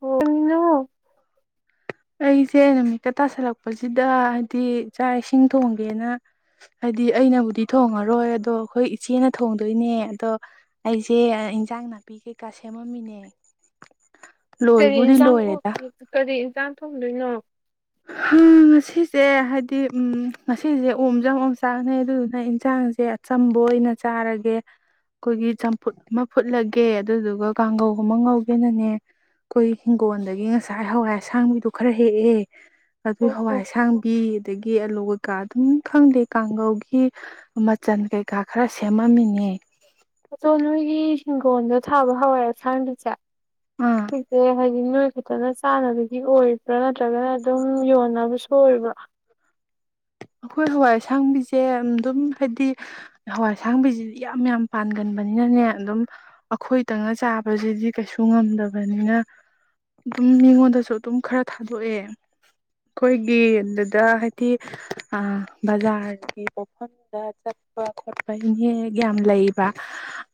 ꯍꯅ ꯑꯩꯁꯦ ꯅꯨꯃꯤꯠꯇ ꯇꯥꯁꯜꯂꯛꯄꯁꯤꯗ ꯍꯥꯏꯗꯤ ꯆꯥꯛ ꯏꯁꯤꯡ ꯊꯣꯡꯒꯦꯅ ꯍꯥꯏꯗꯤ ꯑꯩꯅꯕꯨꯗꯤ ꯊꯣꯡꯉꯔꯣꯏ ꯑꯗꯣ ꯑꯩꯈꯣꯏ ꯏꯆꯦꯅ ꯊꯣꯡꯗꯣꯏꯅꯦ ꯑꯗꯣ ꯑꯩꯁꯦ ꯏꯟꯖꯥꯡ ꯅꯥꯄꯤ ꯀꯩꯀꯥ ꯁꯦꯝꯃꯝꯃꯤꯅꯦ ꯂꯣꯏꯕꯨꯗꯤ ꯀꯔꯤꯟꯖꯥꯡ ꯂꯣꯏꯔꯦꯗ ꯀꯔꯤꯖꯥꯡ ꯊꯝꯗꯣꯏꯅꯣ ꯉꯁꯤꯁꯦ ꯍꯥꯏꯗꯤ ꯉꯁꯤꯁꯦ ꯑꯣꯝꯁꯨꯣꯡ ꯆꯥꯛꯅꯦꯩ ꯑꯗꯨꯗꯨꯅ ꯏꯟꯁꯥꯡꯁꯦ ꯑꯆꯝꯕ ꯑꯣꯏꯅ ꯆꯥꯔꯒꯦ ꯑꯩꯈꯣꯏꯒꯤ ꯆꯝꯐꯨꯠ ꯑꯃ ꯐꯨꯠꯂꯒꯦ ꯑꯗꯨꯗꯨꯒ ꯀꯥꯡꯒꯧ ꯑꯃ ꯉꯧꯒꯦꯅꯅꯦ ꯑꯩꯈꯣꯏ ꯍꯤꯡꯒꯣꯜꯗꯒꯤ ꯉꯁꯥꯏ ꯍꯋꯥꯏ ꯑꯁꯥꯡꯕꯤꯗꯣ ꯈꯔ ꯍꯦꯛꯑꯦ ꯑꯗꯨ ꯑꯣ ꯑꯣ ꯍꯋꯥꯏꯁꯥꯡꯕꯤ ꯑꯗꯒꯤ ꯑꯂꯨ ꯀꯩꯀꯥ ꯑꯗꯨꯝ ꯈꯪꯗꯦ ꯀꯥꯡꯒꯧꯒꯤ ꯃꯆꯜ ꯀꯩꯀꯥ ꯈꯔ ꯁꯦꯝꯃꯝꯃꯤꯅꯦ ꯑꯆꯣ ꯅꯣꯏꯒꯤ ꯍꯤꯡꯒꯣꯜꯗ ꯊꯥꯕ ꯍꯋꯥꯏ ꯑꯁꯥꯡꯒꯤꯁꯦ ꯑꯥ ꯍꯗ ꯍꯥꯏ ꯗꯤ ꯅꯣꯏ ꯛꯇꯅ ꯆꯥꯅꯕꯒꯤ ꯑꯣꯏꯕ꯭ꯔꯥ ꯅꯠꯇ꯭ꯔꯒꯅ ꯑꯗꯨꯝ ꯌꯣꯟꯅꯕꯁꯨ ꯑꯣꯏꯕ꯭ꯔꯥ ꯑꯩꯈꯣꯏ ꯍꯋꯥꯏ ꯑꯁꯥꯡꯕꯤꯁꯦ ꯑꯗꯨꯝ ꯍꯥꯏꯗꯤ ꯍꯋꯥꯏ ꯑꯁꯥꯡꯕꯤꯁꯤꯗꯤ ꯌꯥꯝ ꯌꯥꯝ ꯄꯥꯟꯒꯟꯕꯅꯤꯅꯅꯦ ꯑꯗꯨꯝ ꯑꯩꯈꯣꯏꯗꯪꯅ ꯆꯥꯕꯁꯤꯗꯤ ꯀꯩꯁꯨ ꯉꯝꯗꯕꯅꯤꯅ ꯑꯗꯨꯝ ꯃꯤꯉꯣꯟꯗꯁꯨ ꯑꯗꯨꯝ ꯈꯔ ꯊꯥꯗꯣꯛꯑꯦ ꯑꯩꯈꯣꯏꯒꯤ ꯑꯗꯨꯗ ꯍꯥꯏꯗꯤ ꯕꯖꯥꯔꯒꯤ ꯄꯐꯝꯗ ꯆꯠꯄ ꯈꯣꯠꯄ ꯏꯅꯦꯦꯛ ꯌꯥꯝ ꯂꯩꯕ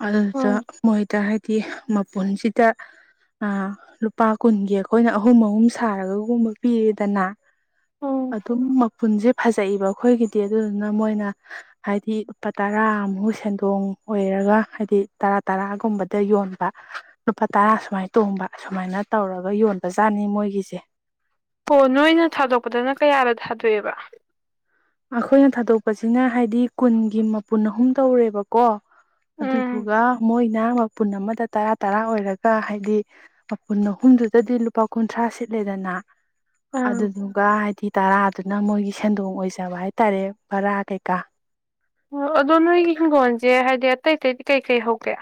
ꯑꯗꯨꯗ ꯎꯝ ꯃꯣꯏꯗ ꯍꯥꯏ ꯃꯄꯨꯟꯁꯤꯗ ꯂꯨꯄꯥ ꯀꯨꯟꯒꯤ ꯑꯩꯈꯣꯏꯅ ꯑꯍꯨꯝ ꯑꯍꯨꯝ ꯁꯥꯔꯒꯒꯨꯝꯕ ꯄꯤꯔꯗꯅ ꯑ ꯎꯝ ꯑꯗꯨ ꯃ ꯄꯨꯟꯖꯞ ꯐꯖꯏꯕ ꯑꯩꯈꯣꯏꯒꯤꯗꯤ ꯑꯗꯨꯗꯨꯅ ꯃꯣꯏꯅ ꯍꯥꯏꯗꯤ ꯂꯨꯄꯥ ꯇꯔꯥꯃꯨꯛ ꯁꯦꯟꯗꯣꯡ ꯑꯣꯏꯔꯒ ꯍꯥꯏꯗꯤ ꯇꯔꯥ ꯇꯔꯥꯒꯨꯝꯕꯗ ꯌꯣꯟꯕ ꯂꯨꯄꯥ ꯇꯔꯥ ꯁꯨꯃꯥꯏ ꯇꯣꯡꯕ ꯁꯨꯃꯥꯏꯅ ꯇꯧꯔꯒ ꯌꯣꯟꯕꯖꯥꯠꯅꯤ ꯃꯣꯏꯒꯤꯁꯦ ꯑꯣ ꯅꯣꯏꯅ ꯊꯥꯗꯣꯛꯄꯗꯅ ꯀꯌꯥꯗ ꯊꯥꯗꯣꯛ ꯁꯕ ꯑꯩꯈꯣꯏꯅ ꯊꯥꯗꯣꯛꯄꯁꯤꯅ ꯍꯥꯏꯗꯤ ꯀꯨꯟꯒꯤ ꯃꯄꯨꯟ ꯑꯍꯨꯝ ꯇꯧꯔꯦꯕꯀꯣ ꯎꯝ ꯑꯗꯨꯗꯨꯒ ꯃꯣꯏꯅ ꯃꯄꯨꯟ ꯑꯃꯗ ꯇꯔꯥ ꯇꯔꯥ ꯑꯣꯏꯔꯒ ꯍꯥꯏꯗꯤ ꯃꯄꯨꯟ ꯑꯍꯨꯝꯗꯨꯗꯗꯤ ꯂꯨꯄꯥ ꯀꯨꯟꯊ꯭ꯔꯥ ꯁꯤꯠꯂꯦꯗꯅ ꯑꯥ ꯑꯗꯨꯗꯗꯨꯒ ꯍꯥꯏꯗꯤ ꯇꯔꯥ ꯑꯗꯨꯅ ꯃꯣꯏꯒꯤ ꯁꯦꯟꯗꯣꯡ ꯑꯣꯏꯁ ꯕ ꯍꯥꯏꯇꯥꯔꯦ ꯕꯔꯥ ꯀꯩꯀꯥ ꯑꯣ ꯑꯗꯣ ꯅꯣꯏꯒꯤ ꯍꯤꯡꯒꯣꯜꯁꯦ ꯍꯥꯏꯗꯤ ꯑꯇꯩ ꯑꯇꯩ ꯀꯩ ꯀꯩ ꯍꯧꯒ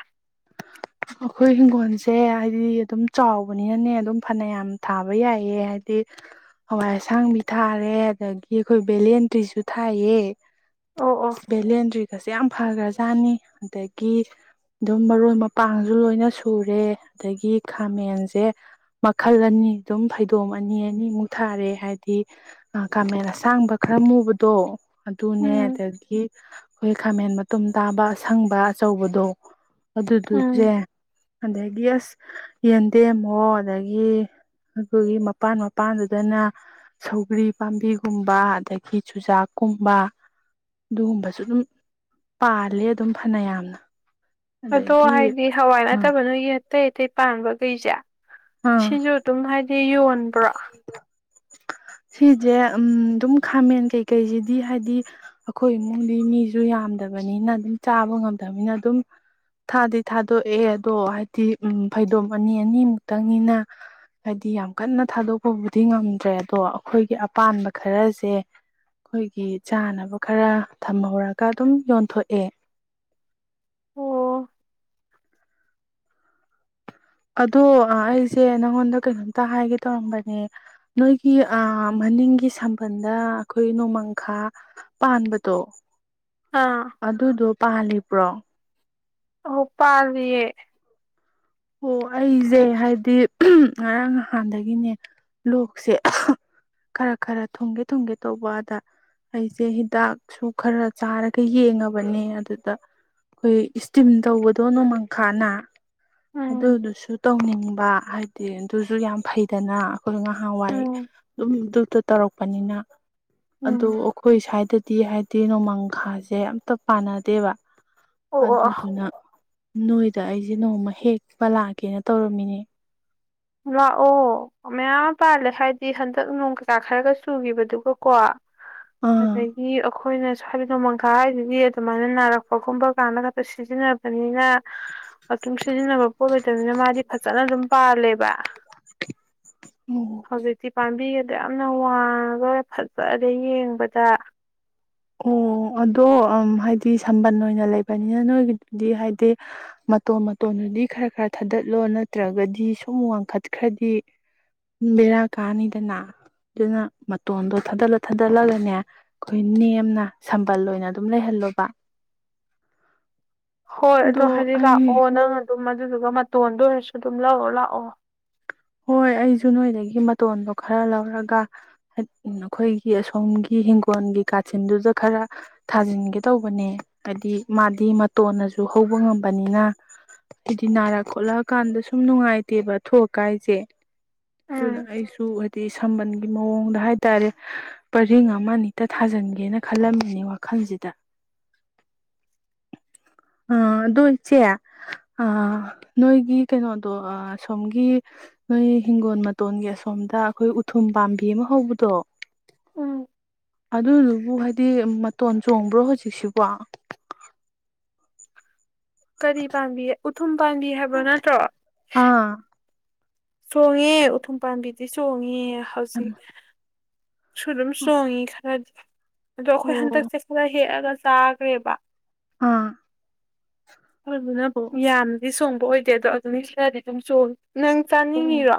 ꯑꯩꯈꯣꯏ ꯏꯤꯡꯈꯣꯜꯁꯦ ꯍꯥꯏꯗꯤ ꯑꯗꯨꯝ ꯆꯥꯎꯕꯅꯤꯅꯅꯦ ꯑꯗꯨꯝ ꯐꯅꯌꯥꯝ ꯊꯥꯕ ꯌꯥꯏꯑ ꯍꯥꯏꯗꯤ ꯍꯋꯥꯏ ꯑꯁꯥꯡꯕꯤ ꯊꯥꯔꯦ ꯑꯗꯒꯤ ꯑꯩꯈꯣꯏ ꯚꯦꯂꯦꯟꯇ꯭ꯔꯤꯁꯨ ꯊꯥꯏꯌꯦ ꯑꯣ ꯑꯣ ꯕꯂꯟꯗ꯭ꯔꯤ ꯀꯁꯤꯦ ꯌꯥꯝ ꯐꯈ꯭ꯔꯖꯥꯠꯅꯤ ꯑꯗꯒꯤ ꯑꯗꯨꯝ ꯃꯔꯣꯏ ꯄꯥꯡꯁꯨ ꯂꯣꯏꯅ ꯁꯨꯔꯦ ꯑꯗꯒꯤ ꯈꯥꯃꯦꯟꯁꯦ ꯃꯈꯜ ꯑꯅꯤ ꯑꯗꯨꯝ ꯐꯩꯗꯣꯝ ꯑꯅꯤ ꯑꯅꯤꯃꯨꯛ ꯊꯥꯔꯦ ꯍꯥꯏꯗꯤ ꯈꯥꯃꯦꯟ ꯑꯁꯥꯡꯕ ꯈꯔ ꯃꯨꯕꯗꯣ ꯑꯗꯨꯅꯦ ꯎꯝ ꯑꯗꯒꯤ ꯑꯩꯈꯣꯏ ꯈꯥꯃꯦꯟ ꯃꯇꯨꯝ ꯇꯥꯕ ꯑꯁꯪꯕ ꯑꯆꯧꯕꯗꯣ ꯑꯗꯨ ꯎꯝ ꯌꯥ ꯑꯗꯒꯤ ꯑꯁ ꯌꯦꯟꯗꯦꯝꯃꯣ ꯑꯗꯒꯤ ꯑꯩꯈꯣꯏꯒꯤ ꯃꯄꯥꯟ ꯃꯄꯥꯟꯗꯨꯗꯅ ꯁꯧꯒ꯭ꯔꯤ ꯄꯥꯝꯕꯤꯒꯨꯝꯕ ꯑꯗꯒꯤ ꯆꯨꯖꯥꯛꯀꯨꯝꯕ ꯑꯗꯨꯒꯨꯝꯕꯁꯨ ꯑꯗꯨꯝ ꯄꯥꯂꯦ ꯑꯗꯨꯝ ꯐꯅꯌꯥꯝꯅ ꯑꯗꯣ ꯑꯗꯒꯤ ꯍꯥꯏꯗꯤ ꯍꯋꯥꯏ ꯑꯥ ꯅꯠꯇꯕ ꯅꯣꯏꯒꯤ ꯑꯇꯩ ꯑꯇꯩ ꯄꯥꯟꯕꯈꯩꯁꯦ ꯑꯥ ꯁꯤꯁꯨ ꯑꯗꯨꯝ ꯍꯥꯏꯗꯤ ꯌꯣꯟꯕ꯭ꯔꯥ ꯁꯤꯁꯦ ꯎꯝ ꯑꯗꯨꯝ ꯈꯥꯃꯦꯟ ꯀꯩꯀꯩꯁꯤꯗꯤ ꯍꯥꯏꯗꯤ ꯑꯩꯈꯣꯏ ꯏꯃꯨꯡꯗꯤ ꯃꯤꯁꯨ ꯌꯥꯝꯗꯕꯅꯤꯅ ꯑꯗꯨꯝ ꯆꯥꯕ ꯉꯝꯗꯕꯅꯤꯅ ꯑꯗꯨꯝ ꯊꯥꯗꯤ ꯊꯥꯗꯣꯛꯑꯦ ꯑꯗꯣ ꯍꯥꯏꯗꯤ ꯎ ꯐꯩꯗꯣꯝ ꯑꯅꯤ ꯑꯅꯤꯃꯨꯛ ꯈꯈꯤꯇꯪꯅꯤꯅ ꯍꯥꯏꯗꯤ ꯌꯥꯝ ꯀꯟꯅ ꯊꯥꯗꯣꯛꯄꯕꯨꯗꯤ ꯉꯝꯗ꯭ꯔꯦ ꯑꯗꯣ ꯑꯩꯈꯣꯏꯒꯤ ꯑꯄꯥꯝꯕ ꯈꯔꯁꯦ ꯑꯩꯈꯣꯏꯒꯤ ꯆꯥꯅꯕ ꯈꯔ ꯊꯝꯍꯧꯔꯒ ꯑꯗꯨꯝ ꯌꯣꯟꯊꯣꯛꯑꯦ ꯑꯣ ꯑꯗꯣ ꯑꯩꯁꯦ ꯅꯪꯉꯣꯟꯗ ꯀꯩꯅꯣꯝꯇ ꯍꯥꯏꯒꯦ ꯇꯧꯔꯝꯕꯅꯦ ꯅꯣꯏꯒꯤ ꯃꯅꯤꯡꯒꯤ ꯁꯝꯕꯜꯗ ꯑꯩꯈꯣꯏ ꯅꯣꯡꯃꯪꯈꯥ ꯄꯥꯟꯕꯗꯣ ꯑꯥ ꯑꯗꯨꯗꯨ ꯄꯥꯜꯂꯤꯕ꯭ꯔꯣ ꯎ ꯄꯥꯕꯤꯦ ꯑꯣ ꯑꯩꯁꯦ ꯍꯥꯏꯕꯗꯤ ꯉꯔꯥꯡ ꯅꯍꯥꯟꯗꯒꯤꯅꯦ ꯂꯣꯛꯁꯦ ꯈꯔ ꯈꯔ ꯊꯨꯝꯒꯦ ꯊꯨꯝꯒꯦ ꯇꯧꯕ ꯑꯗ ꯑꯩꯁꯦ ꯍꯤꯗꯥꯛꯁꯨ ꯈꯔ ꯆꯥꯔꯒ ꯌꯦꯡꯉꯕꯅꯦ ꯑꯗꯨꯗ ꯑꯩꯈꯣꯏ ꯏꯁꯇꯤꯝ ꯇꯧꯕꯗꯣ ꯅꯣꯡꯃꯪꯈꯥꯅ ꯎꯝ ꯑꯗꯨꯗꯨꯁꯨ ꯇꯧꯅꯤꯡꯕ ꯍꯥꯏꯗꯤ ꯑꯗꯨꯁꯨ ꯌꯥꯝ ꯐꯩꯗꯅ ꯑꯩꯈꯣꯏ ꯉꯍꯥꯟꯋꯥꯏ ꯎꯝ ꯑꯗꯨꯝ ꯇꯧꯔꯛꯄꯅꯤꯅ ꯑꯗꯨꯣ ꯎꯝ ꯑꯩꯈꯣꯏ ꯁꯥꯏ ꯗꯗꯤ ꯍꯥꯏꯗꯤ ꯅꯣꯡꯃꯪꯈꯥꯁꯦ ꯑꯝꯇ ꯄꯥꯟꯅꯗꯦꯕ ꯑꯣ ꯑꯗꯨꯗ ꯑꯣ ꯑꯗꯨꯅ ꯅꯣꯏꯗ ꯑꯩꯁꯦ ꯅꯣꯡꯃ ꯍꯦꯛ ꯃꯥ ꯂꯥꯛꯀꯦꯅ ꯇꯧꯔꯝꯃꯤꯅꯦ ꯂꯥꯛꯑꯣ ꯃꯌꯥꯝ ꯄꯥꯜꯂꯦ ꯍꯥꯏꯗꯤ ꯍꯟꯗꯛ ꯅꯣꯡ ꯀꯀꯥ ꯈꯔꯒ ꯆꯨꯈꯤꯕꯗꯨꯒꯀꯣ ꯑꯥ ꯑꯗꯒꯤ ꯑꯩꯈꯣꯏꯅ ꯑ ꯍꯥꯏꯕ ꯅꯣꯡꯃꯪꯈꯥ ꯍꯥꯏꯗꯨꯗꯤ ꯑꯗꯨꯃꯥꯏꯅ ꯅꯥꯔꯛꯄꯒꯨꯝꯕ ꯀꯥꯟꯗ ꯈꯛꯇ ꯁꯤꯖꯤꯟꯅꯕꯅꯤ ꯀꯤꯝ ꯁꯤꯖꯤꯅꯕ ꯄꯣꯠꯂꯣꯏꯇꯕꯅꯤꯅ ꯃꯥꯗꯤ ꯐꯖꯅ ꯑꯗꯨꯝ ꯄꯥꯜꯂꯦꯕ [unintelligible] ꯑꯣ ꯍꯖꯤꯗꯤ ꯄꯥꯝꯕꯤ ꯌꯥꯝꯅ ꯋꯥꯡꯉꯗꯔꯦ ꯐꯖꯔꯦ ꯌꯦꯡꯕꯗ ꯑꯣ ꯑꯗꯣ ꯍꯥꯏꯗꯤ ꯁꯝꯕꯟ ꯑꯣꯏꯅ ꯂꯩꯕꯅꯤꯅ ꯅꯣꯏꯒꯤꯗꯨꯗꯤ ꯍꯥꯏꯗꯤ ꯃꯇꯣꯟ ꯃꯇꯣꯟꯗꯨꯗꯤ ꯈꯔ ꯈꯔ ꯊꯥꯗꯠꯂꯣ ꯅꯠꯇ꯭ꯔꯒꯗꯤ ꯁꯨꯝ ꯋꯥꯡꯈꯠꯈ꯭ꯔꯗꯤ ꯕꯦꯔꯥ ꯀꯥꯅꯤꯗꯅ ꯑꯗꯨꯅ ꯃꯇꯣꯟꯗꯣ ꯊꯥꯗꯠꯂ ꯊꯥꯗꯠꯂꯒꯅꯦ ꯑꯩꯈꯣꯏ ꯅꯦꯝ ꯁꯝꯕꯜ ꯑꯣꯏꯅ ꯑꯗꯨꯝ ꯂꯩꯍꯜꯂꯣꯕ ꯍꯣꯏ ꯑꯗꯣ ꯍꯧꯖꯤꯛ ꯂꯥꯛꯑꯣ ꯅꯪ ꯑꯗꯨꯝ ꯑꯗꯨꯗꯨꯒ ꯃꯇꯣꯟꯗ ꯑꯣꯏꯔꯁꯨ ꯑꯗꯨꯝ ꯂꯧꯥꯛꯑꯣꯣ ꯂꯥꯛꯑꯣ ꯍꯣꯏ ꯑꯩꯁꯨ ꯅꯣꯏꯗꯒꯤ ꯃꯇꯣꯟꯗꯣ ꯈꯔ ꯂꯧꯔꯒ ꯑꯩꯈꯣꯏꯒꯤ ꯑꯁꯣꯝꯒꯤ ꯍꯤꯡꯒꯣꯜꯒꯤ ꯀꯥꯆꯤꯟꯗꯨꯗ ꯈꯔ ꯊꯥꯖꯤꯟꯒꯦ ꯇꯧꯕꯅꯦ ꯍꯥꯏꯗꯤ ꯃꯥꯗꯤ ꯃꯇꯣꯟꯅꯁꯨ ꯍꯧꯕ ꯉꯝꯕꯅꯤꯅ ꯍꯥꯏꯗꯤ ꯅꯥꯔꯛ ꯈꯣꯠꯂꯛꯑꯀꯥꯟꯗ ꯁꯨꯝ ꯅꯨꯡꯉꯥꯏꯇꯦꯕ ꯊꯣꯛꯀ ꯀꯥꯏꯖꯦ ꯑꯗꯨꯅ ꯎꯝ ꯑꯩꯁꯨ ꯁꯝꯕꯟꯒꯤ ꯃꯑꯣꯡꯗ ꯍꯥꯏꯇꯥꯔꯦ ꯄꯔꯤꯡ ꯑꯃ ꯑꯅꯤꯇ ꯊꯥꯖꯤꯟꯒꯦꯅ ꯈꯜꯂꯝꯃꯤꯅꯤ ꯋꯥꯈꯜꯁꯤꯗ ꯑ ꯑꯗꯨꯗꯣ ꯏꯆꯦ ꯑ ꯅꯣꯏꯒꯤ ꯀꯩꯅꯣꯗꯣ ꯁꯣꯝꯒꯤ ꯅꯣꯏ ꯍꯤꯡꯒꯣꯜ ꯃꯇꯣꯟꯒꯤ ꯑꯁꯣꯝꯗ ꯑꯩꯈꯣꯏ ꯎꯊꯨꯝ ꯄꯥꯝꯕꯤ ꯑꯃ ꯍꯧꯕꯗꯣ ꯎꯝ ꯑꯗꯨꯗꯨꯕꯨ ꯍꯥꯏꯗꯤ ꯃꯇꯣꯟ ꯆꯣꯡꯕ꯭ꯔꯣ ꯍꯧꯖꯤꯛꯁꯤꯕꯣ ꯀꯔꯤ ꯄꯥꯝꯕꯤ ꯎꯊꯨꯝ ꯄꯥꯝꯕꯤ ꯍꯥꯏꯕ꯭ꯔꯣ ꯅꯠꯇ꯭ꯔꯣ ꯑꯥ ꯆꯣꯡꯉꯦ ꯎꯊꯨꯝ ꯄꯥꯝꯕꯤꯗꯤ ꯆꯣꯡꯉꯦ ꯍꯧꯥꯎꯖꯤꯛ ꯁꯗꯝ ꯁꯣꯡꯉꯤ ꯈꯔꯗꯤ ꯑꯗꯣ ꯑꯩꯈꯣꯏ ꯑꯣ ꯍꯟꯗꯛꯁꯦ ꯈꯔ ꯍꯦꯛꯑꯒ ꯁꯥꯒ꯭ꯔꯦꯕ ꯑꯥ ꯑꯗꯨ ꯑꯗꯨꯅ ꯑꯣ ꯌꯥꯟ ꯗꯤ ꯁꯣꯡꯕ ꯑꯣꯏꯗꯦ ꯑꯗꯣ ꯑꯗꯨꯅꯤ ꯁꯤꯗꯗꯤ ꯑꯗꯨꯝ ꯆꯣꯡ ꯅꯪ ꯑꯣ ꯆꯥꯅꯤꯡꯉꯤꯔꯣ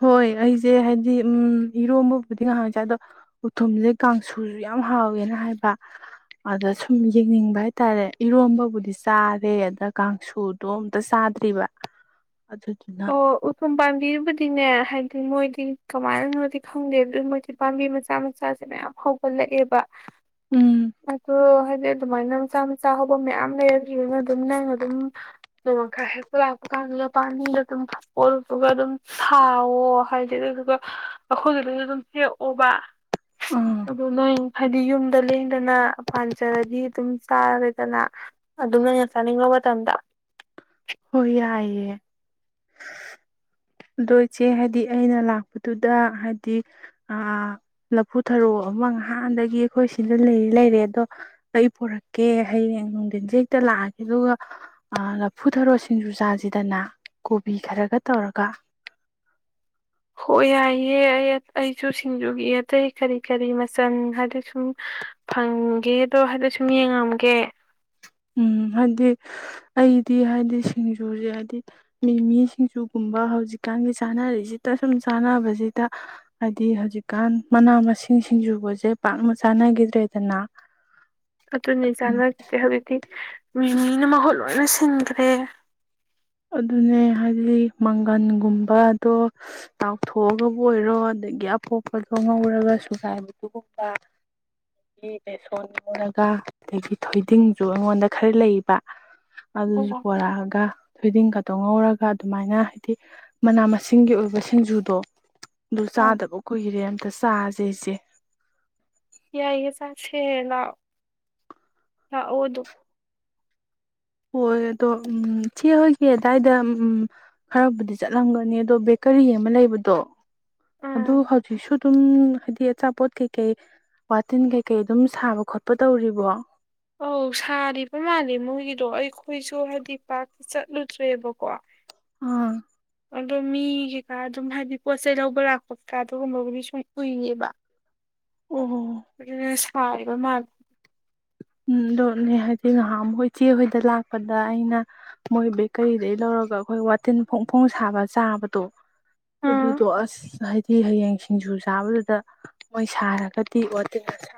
ꯍꯣꯏ ꯑꯩꯁꯦ ꯍꯥꯏꯗꯤ ꯎꯝ ꯏꯔꯣꯝꯕꯕꯨꯗꯤ ꯉꯥꯏꯍꯥꯛ ꯆꯥꯏ ꯑꯗꯣ ꯎꯊꯨꯝꯁꯦ ꯀꯥꯡꯁꯨꯁꯨ ꯌꯥꯝ ꯍꯥꯎꯋꯦꯅ ꯍꯥꯏꯕ ꯑꯗ ꯁꯨꯝ ꯌꯦꯡꯅꯤꯡꯕ ꯍꯥꯏꯇꯥꯔꯦ ꯏꯔꯣꯝꯕꯕꯨꯗꯤ ꯆꯥꯔꯦ ꯑꯗ ꯀꯥꯡꯁꯨꯗꯣ ꯑꯝꯇ ꯆꯥꯗ꯭ꯔꯤꯕ ꯑꯗꯨꯗꯨꯅ ꯎ ꯄꯥꯝꯕꯤꯕꯨꯗꯤꯅꯦ ꯍꯥꯏꯗꯤ ꯃꯣꯏꯗꯤ ꯀꯃꯥꯏꯅꯣꯗꯤ ꯈꯪꯗꯦ ꯑꯗꯨ ꯃꯣꯏꯗꯤ ꯄꯥꯝꯕꯤ ꯃꯆꯥ ꯃꯆꯥꯁꯦ ꯃꯌꯥꯝ ꯍꯧꯒꯠꯂꯛꯑꯦꯕ ꯎꯝ ꯑꯗꯨꯣ ꯑꯗꯩ ꯑꯗꯨꯃꯥꯏꯅ ꯃꯆꯥ ꯃꯆꯥ ꯍꯧꯕ ꯃꯌꯥꯝ ꯂꯩꯗꯔꯤꯗꯨꯅ ꯑꯗꯨꯝ ꯅꯪ ꯑꯗꯨꯝ ꯅꯣꯡꯃ ꯈꯔ ꯍꯦꯛꯄ ꯂꯥꯛꯄ ꯀꯥꯟꯗꯨꯒ ꯄꯗ ꯑꯗꯨꯝ ꯄꯂꯨꯄꯒ ꯑꯗꯨꯝ ꯁꯥꯥꯎꯋꯣ ꯍꯥꯏꯗꯤ ꯑꯗꯨꯗꯨꯒ ꯑꯩꯈꯣꯏꯒꯤꯗꯁꯨ ꯑꯗꯨꯝ ꯍꯦꯛꯑꯣꯕ ꯑꯥ ꯑꯗꯨꯗꯣꯅ ꯍꯥꯏꯗꯤ ꯌꯨꯝꯗ ꯂꯦꯡꯗꯅ ꯄꯥꯟꯖꯔꯗꯤ ꯑꯗꯨꯝ ꯆꯥꯔꯦꯗꯅ ꯑꯗꯨꯝ ꯉꯪꯩꯅ ꯆꯥꯅꯤꯡꯕ ꯃꯇꯝꯗ ꯍꯣꯏ ꯌꯥꯏꯦ ꯑꯗꯣ ꯏꯆꯦ ꯍꯥꯏꯗꯤ ꯑꯩꯅ ꯂꯥꯛꯄꯗꯨꯗ ꯍꯥꯏꯗꯤ ꯂꯐꯨꯊꯔꯣ ꯑꯃ ꯉꯍꯥꯟꯗꯒꯤ ꯑꯩꯈꯣꯏ ꯁꯤꯗ ꯂꯩꯔꯤ ꯂꯩꯔꯦ ꯑꯗꯣ ꯑꯩ ꯄꯣꯔꯛꯀꯦ ꯍꯌꯦꯡ ꯅꯨꯡꯊꯤꯟꯁꯦ ꯍꯦꯛꯇ ꯂꯥꯛꯑꯒꯦ ꯑꯗꯨꯒ ꯂꯐꯨꯊꯔꯣ ꯁꯤꯡꯖꯨ ꯆꯥꯁꯤꯗꯅ ꯀꯣꯕꯤ ꯈꯔꯒ ꯇꯧꯔꯒ ꯍꯣꯏ ꯌꯥꯏꯌꯦꯦ ꯑꯩ ꯑꯩꯁꯨ ꯁꯤꯡꯖꯨꯒꯤ ꯑꯇꯩ ꯀꯔꯤ ꯀꯔꯤ ꯃꯆꯜ ꯍꯥꯏꯗꯤ ꯁꯨꯝ ꯐꯪꯒꯦꯗꯣ ꯍꯥꯏꯗꯤ ꯁꯨꯝ ꯌꯦꯡꯉꯝꯒꯦ ꯎꯝ ꯍꯥꯏꯗꯤ ꯑꯩꯗꯤ ꯍꯥꯏꯗꯤ ꯁꯤꯡꯖꯨꯁꯦ ꯍꯥꯏꯕꯗꯤ ꯃꯤ ꯃꯤ ꯁꯤꯡꯖꯨꯒꯨꯝꯕ ꯍꯧꯖꯤꯛꯀꯥꯟꯒꯤ ꯆꯥꯅꯔꯤꯁꯤꯗ ꯁꯨꯝ ꯆꯥꯅꯕꯁꯤꯗ ꯍꯥꯏꯕꯗꯤ ꯍꯧꯖꯤꯛꯀꯥꯟ ꯃꯅꯥ ꯃꯁꯤꯡ ꯁꯤꯡꯖꯨꯒꯁꯦ ꯄꯥꯛꯅ ꯆꯥꯅꯈꯤꯗ꯭ꯔꯦꯗꯅ ꯑꯗꯨ ꯑꯗꯨꯅꯤꯖꯥꯒꯗ ꯍꯧꯗꯤ ꯃꯤ ꯃꯤꯅ ꯃꯍꯨꯠ ꯂꯣꯏꯅ ꯁꯤꯟꯈ꯭ꯔꯦ ꯑꯗꯨꯅꯦ ꯍꯥꯏꯗꯤ ꯃꯪꯒꯟꯒꯨꯝꯕꯗꯣ ꯂꯥꯎꯊꯣꯛꯑꯒꯕꯨ ꯑꯣꯏꯔꯣ ꯑꯗꯒꯤ ꯑꯄꯣꯛꯄꯗꯣ ꯉꯧꯔꯒ ꯁꯨꯒꯥꯏꯕꯗꯨꯒꯨꯝꯕ ꯑꯗꯒꯤ ꯕꯦꯁꯣꯟ ꯂꯣꯟꯔꯒ ꯑꯗꯒꯤ ꯊꯣꯏꯗꯤꯡꯁꯨ ꯑꯩꯉꯣꯟꯗ ꯈꯔ ꯂꯩꯕ ꯑꯗꯨꯁꯨ ꯑꯣ ꯄꯨꯔꯛꯑꯒ ꯊꯣꯏꯗꯤꯡꯒꯇꯧ ꯉꯧꯔꯒ ꯑꯗꯨꯃꯥꯏꯅ ꯍꯥꯏꯗꯤ ꯃꯅꯥ ꯃꯁꯤꯡꯒꯤ ꯑꯣꯏꯕ ꯁꯤꯡꯖꯨꯗꯣ ꯑꯗꯨ ꯑꯥ ꯆꯥꯗꯕ ꯀꯨꯏꯔꯦ ꯑꯗ ꯆꯥꯁꯦ ꯑꯩꯆꯦ ꯌꯥꯏꯌꯦ ꯆꯥꯁꯦ ꯂꯥꯛꯑꯣ ꯂꯥꯛꯑꯣꯗ ꯍꯣꯏ ꯑꯗꯣ ꯎꯝ ꯁꯤ ꯍꯣꯏꯒꯤ ꯑꯗꯨꯗꯥꯏꯗ ꯈꯔꯕꯨꯗꯤ ꯆꯠꯂꯝꯒꯅꯤ ꯑꯗꯣ ꯕꯦꯀꯔꯤ ꯑꯃ ꯂꯩꯕꯗꯣ ꯎꯝ ꯑꯗꯨ ꯍꯧꯖꯤ ꯁ ꯑꯗꯨꯝ ꯍꯥꯏꯗꯤ ꯑꯆꯥꯄꯣꯠ ꯀꯩꯀꯩ ꯋꯥꯇꯤꯟ ꯀꯩꯀꯩ ꯑꯗꯨꯝ ꯁꯥꯕ ꯈꯣꯠꯄ ꯇꯧꯔꯤꯕꯣ ꯑꯧ ꯁꯥꯔꯤꯕ ꯃꯥꯜꯜꯂꯤ ꯃꯣꯏꯒꯤꯗꯤ ꯑꯗꯣ ꯑꯩꯈꯣꯏꯁꯨ ꯍꯥꯏꯗꯤ ꯄꯥꯛꯇ ꯆꯠꯂꯨꯗ꯭ꯔꯦꯕꯀꯣ ꯑꯥ ꯑꯗꯣ ꯃꯤ ꯀꯩꯀꯥ ꯑꯗꯨꯝ ꯍꯥꯏꯗꯤ ꯄꯣꯠ ꯆꯩꯩ ꯂꯧꯕ ꯂꯥꯛꯄꯀ ꯑꯗꯨꯒꯨꯝꯕꯒꯗꯤ ꯁꯨꯝ ꯎꯏꯉꯦꯕ ꯑꯣ ꯎ ꯍꯒ ꯃꯥ ꯎꯝ ꯑꯗꯣꯅꯦ ꯍꯥꯏꯗꯤ ꯉꯍꯥꯛꯈꯣꯏ ꯏꯆꯦ ꯍꯣꯏꯗ ꯂꯥꯛꯄꯗ ꯑꯩꯅ ꯃꯣꯏ ꯕꯦꯛ ꯀꯔꯤꯗꯒꯤꯩ ꯂꯧꯔꯒ ꯑꯩꯈꯣꯏ ꯋꯥꯇꯤꯟ ꯐꯣꯡ ꯐꯣꯡ ꯁꯥꯕ ꯆꯥꯕꯗꯣ ꯑꯥ ꯑꯗꯨꯗꯣ ꯑꯁ ꯍꯥꯏꯗꯤ ꯍꯌꯦꯡ ꯁꯤꯡꯖꯨ ꯆꯥꯕꯗꯨꯗ ꯃꯣꯏ ꯁꯥꯔꯒꯗꯤ ꯋꯥꯇꯤꯟ ꯑ ꯁꯥ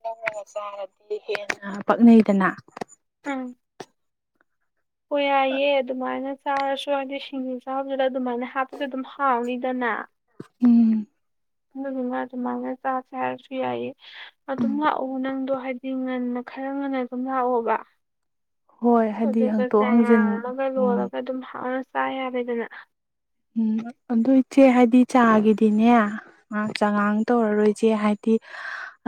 ꯅꯧꯅꯒ ꯆꯥꯔꯗꯤ ꯍꯦꯟꯅ ꯄꯛꯅꯩꯗꯅ ꯎꯝ ꯍ ꯌꯥꯏꯌꯦ ꯑꯗꯨꯃꯥꯏꯅ ꯆꯥꯔꯁꯨ ꯍꯥꯏꯗꯤ ꯁꯤꯡꯖꯨ ꯆꯥꯕꯁꯤꯗ ꯑꯗꯨꯃꯥꯏꯅ ꯍꯥꯞꯄꯗ ꯑꯗꯨꯝ ꯍꯥꯎꯅꯤꯗꯅ ꯎꯝ ꯑꯗꯨꯗꯨꯅ ꯑꯗꯨꯃꯥꯏꯅ ꯆꯥꯁꯦ ꯍꯥꯏꯔꯁꯨ ꯌꯥꯏꯌꯦ ꯑꯗꯨꯝ ꯂꯥꯛꯑꯣ ꯅꯪꯗꯣ ꯍꯥꯏꯗꯤ ꯉꯟꯅ ꯈꯔ ꯉꯟꯅ ꯑꯗꯨꯝ ꯂꯥꯛꯑꯣꯕ ꯍꯣꯏ ꯍꯥꯏꯗꯤ ꯍꯪꯇꯣꯛ ꯑꯗꯨꯒꯁꯦ ꯍꯪꯖꯤꯟ ꯌꯥꯔꯒ ꯎꯝ ꯂꯣꯏꯔꯒ ꯑꯗꯨꯝ ꯍꯔꯁꯤ ꯀꯥ ꯌꯥꯕꯗꯅ ꯎꯝ ꯑꯗꯨ ꯏꯆꯦ ꯍꯥꯏꯗꯤ ꯆꯥꯒꯤꯗꯤꯅꯦ ꯆꯉꯥꯡ ꯇꯧꯔꯔꯣꯏꯁꯦ ꯍꯥꯏꯗꯤ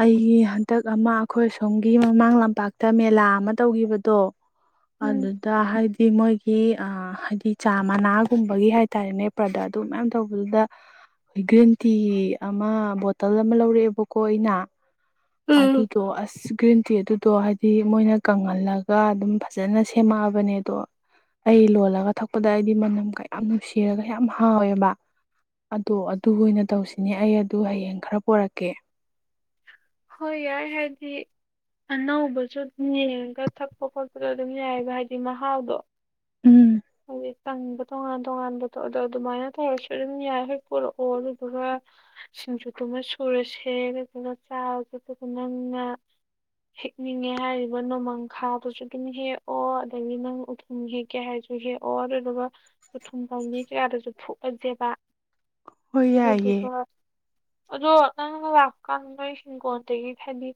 ꯑꯩꯒꯤ ꯍꯟꯗꯛ ꯑꯃ ꯑꯩꯈꯣꯏ ꯑꯁꯣꯝꯒꯤ ꯃꯃꯥꯡ ꯂꯝꯄꯥꯛꯇ ꯃꯦꯂꯥ ꯑꯃ ꯇꯧꯈꯤꯕꯗꯣ ꯎꯝ ꯑꯗꯨꯗ ꯍꯥꯏꯗꯤ ꯃꯣꯏꯒꯤ ꯑ ꯍꯥꯏꯗꯤ ꯆꯥ ꯃꯅꯥꯒꯨꯝꯕꯒꯤ ꯍꯥꯏ ꯍꯥꯏꯇꯥꯔꯦꯅꯦ ꯄ꯭ꯔꯗꯛ ꯑꯗꯨ ꯃꯌꯥꯝ ꯇꯧꯕꯗꯨꯗ ꯑꯩ ꯒ꯭ꯔꯤꯟ ꯇꯤ ꯑꯃ ꯕꯣꯇꯜ ꯑꯃ ꯂꯧꯔꯛꯑꯦꯕꯀꯣ ꯑꯩꯅ ꯎꯝ ꯑꯗꯨꯗꯣ ꯑꯁ ꯒ꯭ꯔꯤꯟ ꯇꯤ ꯑꯗꯨꯗꯣ ꯍꯥꯏꯗꯤ ꯃꯣꯏꯅ ꯀꯪꯍꯜꯂꯒ ꯑꯗꯨꯝ ꯐꯖꯅ ꯁꯦꯝꯃꯛꯑꯕꯅꯦ ꯑꯗꯣ ꯑꯩ ꯂꯣꯜꯂꯒ ꯊꯛꯄꯗ ꯑꯩꯗꯤ ꯃꯅꯝ ꯀꯌꯥꯝ ꯁꯤꯔꯒ ꯌꯥꯝ ꯍꯥꯎꯋꯦꯕ ꯑꯗꯣ ꯑꯗꯨ ꯑꯣꯏꯅ ꯇꯧꯁꯤꯅꯦ ꯑꯩ ꯑꯗꯨ ꯍꯌꯦꯡ ꯈꯔ ꯄꯣꯔꯛꯀꯦ ꯍꯣꯏ ꯌꯥꯏ ꯍꯥꯏꯗꯤ ꯑꯅꯧꯕꯁꯨ ꯑꯗꯨꯝ ꯌꯦꯡꯉꯒ ꯊꯛꯄ ꯈꯣꯠꯄꯗ ꯑꯗꯨꯝ ꯌꯥꯏꯑꯕ ꯍꯥꯏꯗꯤ ꯃꯍꯥꯎꯗꯣ ꯎꯝ ꯍꯦ ꯇꯪꯕ ꯇꯣꯉꯥꯟ ꯇꯣꯉꯥꯟꯕꯗꯣ ꯑꯗꯣ ꯑꯗꯨꯃꯥꯏꯅ ꯇꯧꯔꯁꯨ ꯑꯗꯨꯝ ꯌꯥꯏ ꯍꯦꯛ ꯄꯨꯔꯛꯑꯣ ꯑꯗꯨꯗꯨꯒ ꯁꯤꯡꯖꯨꯗꯨꯨꯃ ꯁꯨꯔꯁꯦ ꯑꯗꯨꯗꯨꯒ ꯆꯥꯔꯒꯄꯒ ꯅꯪꯅ ꯍꯦꯛꯅꯤꯡꯉꯦ ꯍꯥꯏꯔꯤꯕ ꯅꯣꯡꯃꯪꯈꯥꯗꯨꯁꯨ ꯑꯗꯨꯝ ꯍꯦꯛꯑꯣ ꯑꯗꯒꯤ ꯅꯪ ꯎꯈꯨꯝ ꯍꯦꯛꯀꯦ ꯍꯥꯏꯔꯁꯨ ꯨ ꯍꯦꯛꯑꯣ ꯑꯗꯨꯗꯨꯒ ꯊꯨꯝꯐꯝ ꯃꯤ ꯀꯌꯥꯗꯁꯨ ꯊꯣꯛ ꯊꯣꯛꯑꯁꯦꯕ ꯍꯣꯏ ꯔꯨꯗꯤ ꯌꯥꯏꯌꯦ ꯁꯍꯔ ꯑꯗꯣ ꯅꯪꯅ ꯂꯥꯛꯄꯀꯥꯟꯗ ꯅꯣꯏꯁꯤꯡꯒꯣ ꯑꯗꯒꯤ ꯍꯥꯏꯗꯤ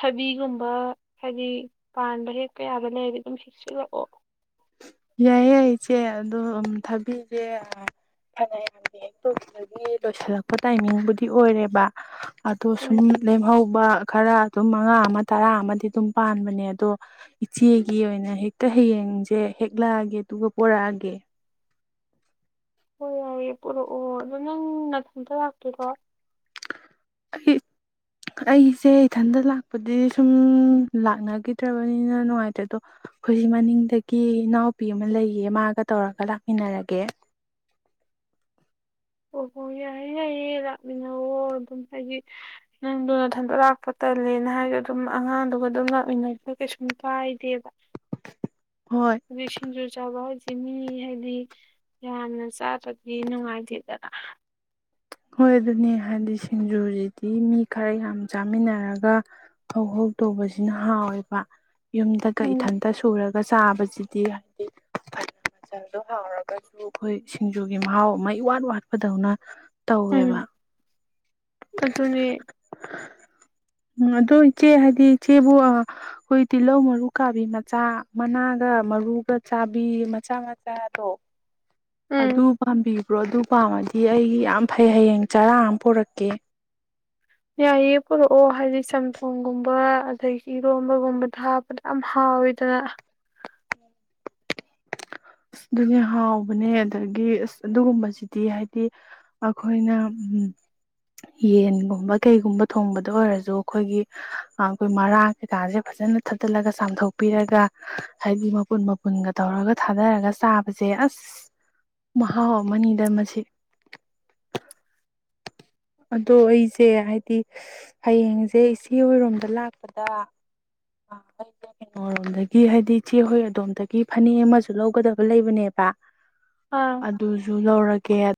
ꯊꯕꯤꯒꯨꯝꯕ ꯍꯥꯏꯗꯤ ꯄꯥꯟꯕ ꯍꯦꯛ ꯀꯌꯥꯗ ꯂꯩꯔꯗꯤ ꯑꯗꯨꯝ ꯍꯦꯛꯆꯤꯜꯂꯛꯑꯣ ꯌꯥꯏꯌꯦ ꯏꯆꯦ ꯑꯗꯣ ꯊꯕꯤꯁꯦ ꯐꯅꯌꯥꯝꯅ ꯍꯦꯛꯇꯣꯒꯤ ꯂꯣꯏꯁꯤꯜꯂꯛꯄ ꯇꯥꯏꯃꯤꯡꯕꯨꯗꯤ ꯑꯣꯏꯔꯦꯕ ꯑꯗꯣ ꯁꯨꯝ ꯎꯝ ꯂꯦꯝꯍꯧꯕ ꯈꯔ ꯑꯗꯨꯝ ꯃꯉꯥ ꯑꯃ ꯇꯔꯥ ꯑꯃꯗꯤ ꯑꯗꯨꯝ ꯄꯥꯟꯕꯅꯦ ꯑꯗꯣ ꯏꯆꯦꯒꯤ ꯑꯣꯏꯅ ꯍꯦꯛꯇ ꯍꯌꯦꯡꯁꯦ ꯍꯦꯛꯒꯂꯑꯒꯦ ꯇꯒ ꯄꯨꯣꯔꯥꯑꯒꯦ ꯍꯣꯏ ꯌꯥꯏꯌꯦꯦ ꯄꯨꯔꯛꯑꯣ ꯑꯗꯣ ꯅꯪ ꯅꯊꯟꯇ ꯂꯥꯛꯇꯣꯏꯔꯣ ꯑꯩ ꯑꯩꯁꯦ ꯏꯊꯟꯇ ꯂꯥꯛꯄꯗꯤ ꯁꯨꯝ ꯂꯥꯛꯅꯈꯤꯗ꯭ꯔꯕꯅꯤꯅ ꯅꯨꯡꯉꯥꯏꯇ꯭ꯔꯦ ꯑꯗꯣ ꯑꯩꯈꯣꯏꯖꯤꯛ ꯃꯅꯤꯡꯗꯒꯤ ꯏꯅꯥꯎꯄꯤ ꯑꯃ ꯂꯩꯌꯦ ꯃꯥꯒ ꯇꯧꯔꯒ ꯂꯥꯛꯃꯤꯟꯅꯔꯒꯦ ꯑꯣꯍꯣ ꯌꯥꯏꯌꯦ ꯌꯥꯏꯌꯦ ꯂꯥꯛꯃꯤꯟꯅꯋ ꯑꯗꯨꯝ ꯍꯥꯏꯗꯤ ꯅꯪꯗꯨꯅꯊꯟꯗꯣꯛ ꯂꯥꯛꯄ ꯇꯜꯂꯦꯅ ꯍꯥꯏꯁꯨ ꯑꯗꯨꯝ ꯑꯉꯥꯡꯗꯨꯒ ꯑꯗꯨꯝ ꯂꯥꯛꯃꯤꯟꯅꯩ ꯀꯩꯁꯨꯝ ꯀꯥꯏꯗꯦꯕ ꯍꯣꯏ ꯁꯖꯨꯔ ꯆꯥꯕ ꯍ ꯁꯤ ꯃꯤ ꯍꯥꯏꯗꯤ ꯌꯥꯝꯅ ꯆꯥꯕꯗꯤ ꯅꯨꯡꯉꯥꯏꯇꯦꯗ [inaudible] ꯍꯣꯏ ꯑꯗꯨꯅꯦ ꯍꯥꯏꯗꯤ ꯁꯤꯡꯖꯨꯁꯤꯗꯤ ꯃꯤ ꯈꯔ ꯌꯥꯝ ꯆꯥꯃꯤꯟꯅꯔꯒ ꯍꯧꯧ ꯍꯧꯧ ꯇꯧꯕꯁꯤꯅ ꯍꯥꯎꯋꯦꯕ ꯌꯨꯝꯗꯒ ꯎꯝ ꯏꯊꯟꯇ ꯁꯨꯔꯒ ꯑꯗꯨꯒ ꯆꯥꯕꯁꯤꯗꯤ ꯍꯥꯏꯗꯤ ꯐꯅ ꯃꯆꯜꯗꯣ ꯍꯥꯎꯔꯒꯁꯨ ꯑꯩꯈꯣꯏ ꯁꯤꯡꯖꯨꯒꯤ ꯃꯍꯥꯎ ꯑꯃꯩ ꯋꯥꯠ ꯋꯥꯠꯄꯗꯧꯅ ꯎꯝ ꯇꯧꯋꯦꯕ ꯑꯗꯨꯅꯤ ꯎꯝ ꯑꯗꯣ ꯏꯆꯦ ꯍꯥꯏꯗꯤ ꯏꯆꯦꯕꯨ ꯑꯩꯈꯣꯏ ꯇꯤꯜꯍꯧ ꯃꯔꯨ ꯀꯥꯕꯤ ꯃꯆꯥ ꯃꯅꯥꯒ ꯃꯔꯨꯒ ꯆꯥꯕꯤ ꯃꯆꯥ ꯃꯆꯥꯗꯣ ꯎꯝ ꯑꯗꯨ ꯄꯥꯝꯕꯤꯕ꯭ꯔꯣ ꯑꯗꯨ ꯑ ꯄꯥꯝꯃꯗꯤ ꯑꯩꯒꯤ ꯌꯥꯝ ꯐꯩ ꯍꯌꯦꯡ ꯆꯔꯥ ꯑꯃ ꯄꯨꯣꯔꯛꯀꯦ ꯌꯥꯏꯌꯦ ꯄꯨꯔꯛꯑꯣ ꯍꯥꯏꯗꯤ ꯆꯝꯊꯣꯡꯒꯨꯝꯕ ꯑꯗꯒꯤ ꯏꯔꯣꯟꯝꯕꯒꯨꯝꯕꯗ ꯍꯥꯞꯄꯗ ꯌꯥꯝ ꯍꯥꯎꯋꯤꯗꯅ ꯑ ꯑꯗꯨꯅꯦ ꯍꯥꯎꯕꯅꯦ ꯑꯗꯒꯤ ꯑꯁ ꯑꯗꯨꯒꯨꯝꯕꯁꯤꯗꯤ ꯍꯥꯏꯗꯤ ꯑꯩꯈꯣꯏꯅ ꯎ ꯌꯦꯟꯒꯨꯝꯕ ꯀꯩꯒꯨꯝꯕ ꯊꯣꯡꯕꯗ ꯑꯣꯏꯔꯁꯨ ꯑꯩꯈꯣꯏꯒꯤ ꯑꯩꯈꯣꯏ ꯃꯔꯥ ꯀꯩꯀꯥꯁꯦ ꯐꯖꯅ ꯊꯠꯇꯜꯂꯒ ꯆꯥꯝꯊꯣꯛꯄꯤꯔꯒ ꯍꯥꯏꯗꯤ ꯃꯄꯨꯟ ꯃꯄꯨꯟꯒ ꯇꯧꯔꯒ ꯊ ꯊꯥꯗꯔꯒ ꯆꯥꯕꯁꯦ ꯑꯁ ꯃꯍꯥꯎ ꯑꯃꯅꯤꯗ ꯃꯁꯤ ꯑꯗꯣ ꯑꯩꯁꯦ ꯍꯥꯏꯗꯤ ꯍꯌꯦꯡꯁꯦ ꯏꯆꯦꯍꯣꯏꯔꯣꯝꯗ ꯂꯥꯛꯄꯗ ꯑꯩꯁꯦ ꯀꯩꯅꯣꯣꯔꯣꯝꯗꯒꯤ ꯍꯥꯏꯗꯤ ꯏꯆꯦꯍꯣꯏ ꯑꯗꯣꯝꯗꯒꯤ ꯐꯅꯦꯛ ꯑꯃꯁꯨ ꯂꯧꯒꯗꯕ ꯂꯩꯕꯅꯦꯕ ꯑꯥ ꯑꯗꯨꯁꯨ ꯂꯧꯔꯒ ꯀꯦ